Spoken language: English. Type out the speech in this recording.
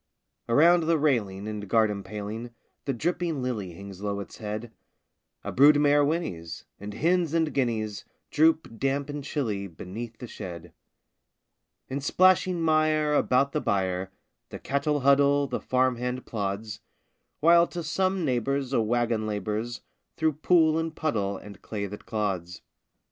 Around the railing and garden paling The dripping lily hangs low its head: A brood mare whinnies; and hens and guineas Droop, damp and chilly, beneath the shed. In splashing mire about the byre The cattle huddle, the farm hand plods; While to some neighbor's a wagon labors Through pool and puddle and clay that clods.